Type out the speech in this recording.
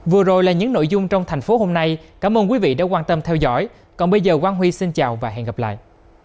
vừa rồi là những nội dung trong thành phố hôm nay cảm ơn quý vị đã quan tâm theo dõi còn bây giờ quang huy xin chào và hẹn gặp lại